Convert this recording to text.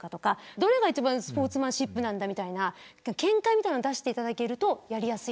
どれがスポーツマンシップなんだという見解を出していただけるとやりやすい。